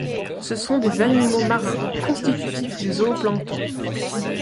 Ce sont des animaux marins constitutifs du zooplancton.